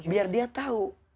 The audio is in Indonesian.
biar dia tahu